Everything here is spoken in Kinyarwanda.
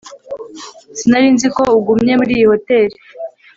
sinari nzi ko ugumye muri iyi hoteri